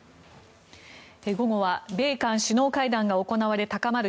午後は米韓首脳会談が行われ高まる